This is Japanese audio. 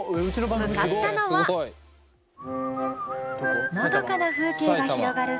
向かったのはのどかな風景が広がる